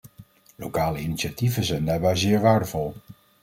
Lokale initiatieven zijn daarbij zeer waardevol.